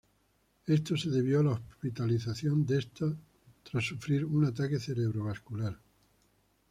Esto se debió a la hospitalización de este tras sufrir un ataque cerebrovascular.